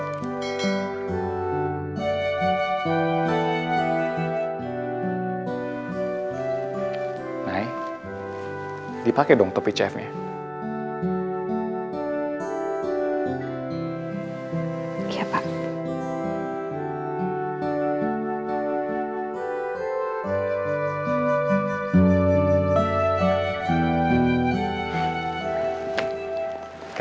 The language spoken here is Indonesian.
itu adalah buktinya mak